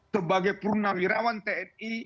sebagai perunahwirawan tni